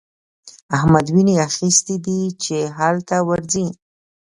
احمد ويني اخيستی دی چې هلته ورځي.